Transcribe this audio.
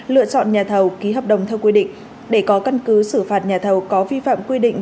lựa chọn nhà thầu ký hợp đồng theo quy định để có căn cứ xử phạt nhà thầu có vi phạm quy định